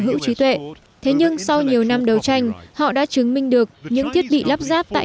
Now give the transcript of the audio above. hữu trí tuệ thế nhưng sau nhiều năm đấu tranh họ đã chứng minh được những thiết bị lắp ráp tại